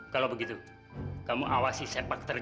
kalau begitu kamu awasi sepak terjaga